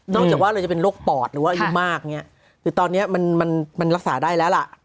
จากว่าเราจะเป็นโรคปอดหรือว่าอายุมากเนี่ยคือตอนนี้มันมันรักษาได้แล้วล่ะ